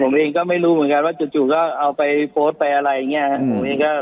ผมเองก็ไม่รู้เหมือนกันว่าจู่ก็เอาไปโพสต์ไปอะไรอย่างนี้ครับ